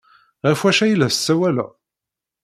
Ɣef wacu ay la tessawaleḍ?